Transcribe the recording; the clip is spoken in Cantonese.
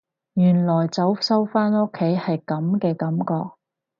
原來早收返屋企係噉嘅感覺